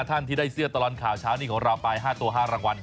๕ท่านที่ได้เสื้อตะลอนขาวชาวนี้ของเราปลาย๕ตัว๕รางวัล